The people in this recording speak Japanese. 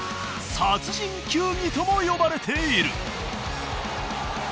「殺人球技」とも呼ばれている。